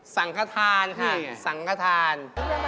สังขทานค่ะสังขทาน